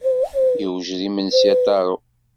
Iwjed yimensi a Taro.